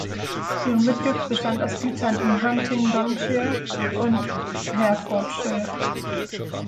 Ihre Mitgift bestand aus Gütern in Huntingdonshire und Hertfordshire.